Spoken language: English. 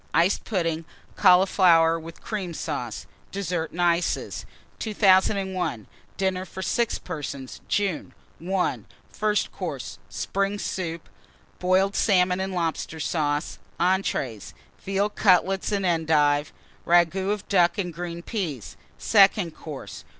Iced Pudding. Cauliflower with Cream Sauce. DESSERT AND ICES. 2001. DINNER FOR 6 PERSONS (June). I. FIRST COURSE. Spring Soup. Boiled Salmon and Lobster Sauce. ENTREES. Veal Cutlets and Endive. Ragoût of Duck and Green Peas. SECOND COURSE.